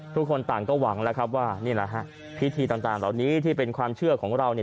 ทุกคนต่างก็หวังแล้วครับว่านี่แหละฮะพิธีต่างเหล่านี้ที่เป็นความเชื่อของเราเนี่ย